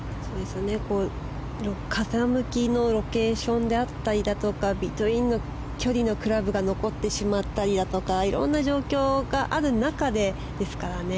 風向きのロケーションだったりだとかビトウィーンの距離のクラブが残ってしまったりとかいろんな状況がある中でですからね。